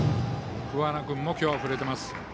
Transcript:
桑名君も今日は振れています。